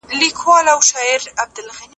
که ګاډی سم کړو نو په لاره نه پاتې کیږو.